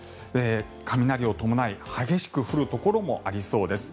雷を伴い激しく降るところもありそうです。